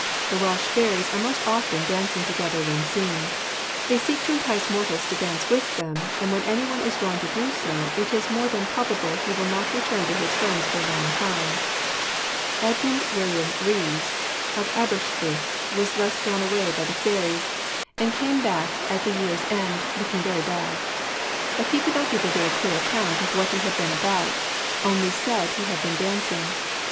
The Welsh fairies are most often dancing together when seen. They seek to entice mortals to dance with them, and when anyone is drawn to do so, it is more than probable he will not return to his friends for a long time. Edmund William Rees, of Aberystruth, was thus drawn away by the fairies, and came back at the year's end, looking very bad. But he could not give a very clear account of what he had been about, only said he had been dancing.